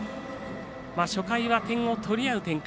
初回は点を取り合う展開。